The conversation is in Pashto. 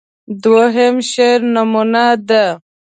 دوهم شعر نمونه ده.